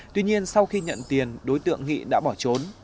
tuy nhiên sau khi nhận tiền đối tượng nghị đã bỏ trốn